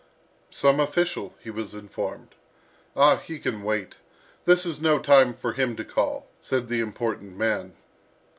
"Some official," he was informed. "Ah, he can wait! This is no time for him to call," said the important man.